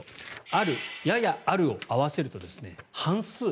ある、ややあるを合わせると半数。